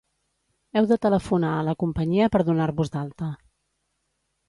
Heu de telefornar a la companyia per donar-vos d'alta.